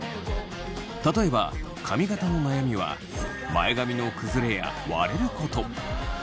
例えば髪形の悩みは前髪の崩れや割れること。